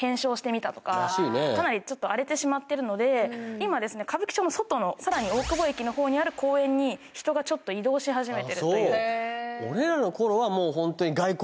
今歌舞伎町の外のさらに大久保駅の方にある公園に人がちょっと移動し始めているというだったのよ